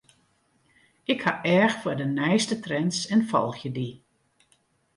Ik ha each foar de nijste trends en folgje dy.